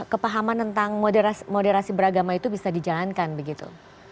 kepahaman tentang moderasi beragama itu bisa dijalankan begitu